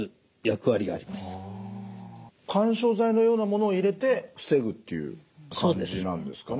緩衝材のようなものを入れて防ぐっていう感じなんですかね。